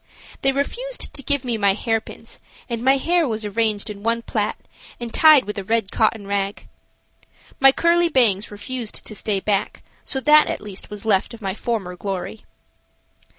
They refused to give me my hairpins, and my hair was arranged in one plait and tied with a red cotton rag. My curly bangs refused to stay back, so that at least was left of my former glory.